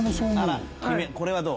これはどう？